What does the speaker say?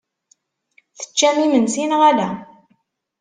Teččam imensi neɣ ala?